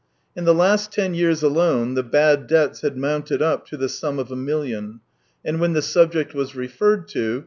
In the last ten years alone the bad debts had mounted up to the sum of a million; and when the subject was referred to.